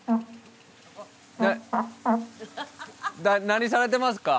何されてますか？